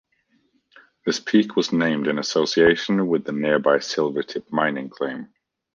This peak was named in association with the nearby Silver Tip mining claim.